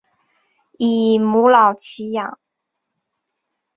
以母老乞养。